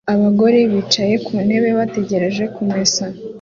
Abagore bicaye ku ntebe bategereje kumesa